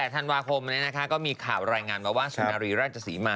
ธันวาคมเนี้ยนะคะก็มีข่าวรายงานว่าสุนารีรัชศรีมา